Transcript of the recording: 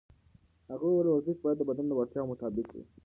هغې وویل ورزش باید د بدن د وړتیاوو مطابق وي.